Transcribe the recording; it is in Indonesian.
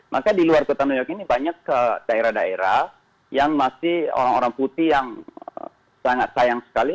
maka di luar kota new york ini banyak daerah daerah yang masih orang orang putih yang sangat sayang sekali